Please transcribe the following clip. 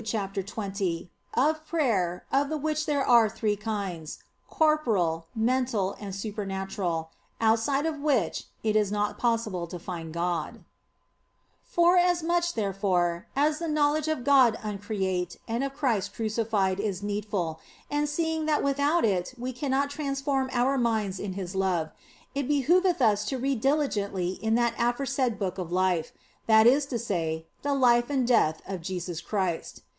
CHAPTER XX OF PRAYER, OF THE WHICH THERE ARE THREE KINDS, CORPORAL, MENTAL, AND SUPERNATURAL, OUTSIDE OF WHICH IT IS NOT POSSIBLE TO FIND GOD FORASMUCH, therefore, as the knowledge of God uncreate and of Christ crucified is needful, and seeing that without it we cannot transform our minds in His love, it behoveth us to read diligently in that aforesaid Book of Life, that OF FOLIGNO 99 is to say, the life and death of Jesus Christ.